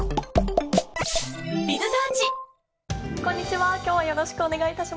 こんにちは今日はよろしくお願いいたします。